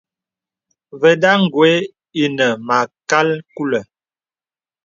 Və̀da gwe inə mâkal kulə̀.